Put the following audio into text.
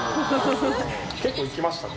結構いきましたね。